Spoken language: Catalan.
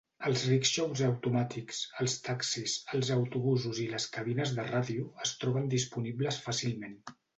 Els rickshaws automàtics, els taxis, els autobusos i les cabines de ràdio es troben disponibles fàcilment.